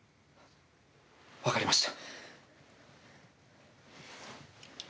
分かりました。